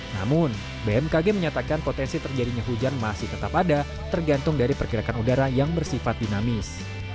namun bmkg menyatakan potensi terjadinya hujan masih tetap ada tergantung dari pergerakan udara yang bersifat dinamis